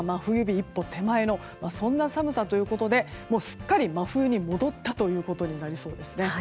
一歩手前の寒さということですっかり真冬に戻ったということになりそうですね。